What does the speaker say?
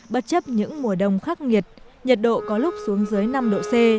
bất chấp những mùa đông khắc nghiệt nhiệt độ có lúc xuống dưới năm độ c